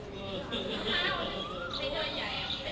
เมื่อเวลาเมื่อเวลา